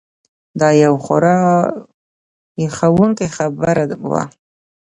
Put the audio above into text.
دا یو خورا هیښوونکې خبره وه.